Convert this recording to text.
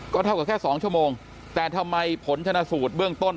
เท่ากับแค่๒ชั่วโมงแต่ทำไมผลชนะสูตรเบื้องต้น